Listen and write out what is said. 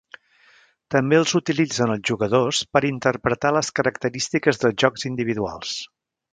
També els utilitzen els jugadors per interpretar les característiques dels jocs individuals.